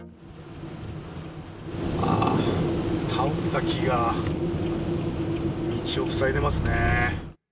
ああ、倒れた木が道を塞いでますね。